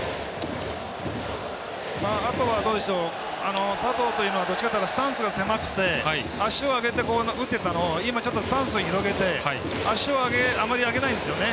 あとは佐藤というのはどっちかというとスタンスが狭くて足を上げて、打ってたのを今、ちょっとスタンスを広げて足をあまり上げないんですよね。